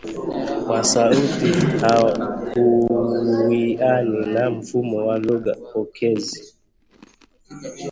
wa sauti hauwiani na mfumo wa lugha pokezi